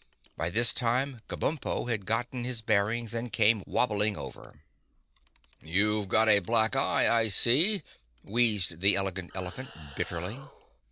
By this time Kabumpo had gotten his bearings and came wabbling over. "You've got a black eye, I see," wheezed the Elegant Elephant bitterly.